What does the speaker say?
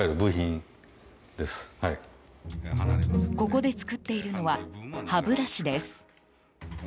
ここで作っているのは歯ブラシです。